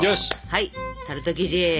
はいタルト生地。